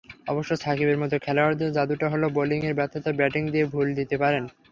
অবশ্য সাকিবের মতো খেলোয়াড়দের জাদুটা হলো, বোলিংয়ের ব্যর্থতা ব্যাটিং দিয়ে ভুলে দিতে পারেন।